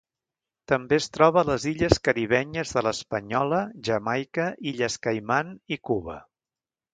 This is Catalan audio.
També es troba a les illes caribenyes de l'Espanyola, Jamaica, Illes Caiman i Cuba.